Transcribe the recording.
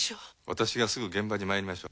私がすぐ現場にまいりましょう。